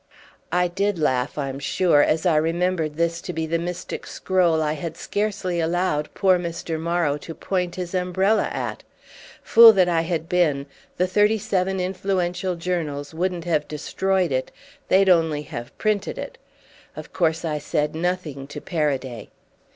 I did laugh, I'm sure, as I remembered this to be the mystic scroll I had scarcely allowed poor Mr. Morrow to point his umbrella at. Fool that I had been: the thirty seven influential journals wouldn't have destroyed it, they'd only have printed it. Of course I said nothing to Paraday.